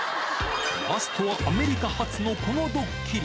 ラストはアメリカ発のこのドッキリ。